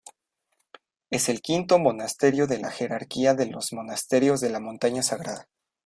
Es el quinto monasterio de la jerarquía de los monasterios de la Montaña Sagrada.